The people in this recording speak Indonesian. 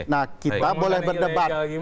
nah kita boleh berdebat